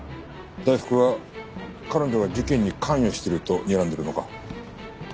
大福は彼女が事件に関与してるとにらんでるのか？